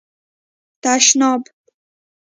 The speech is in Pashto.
🚾 تشناب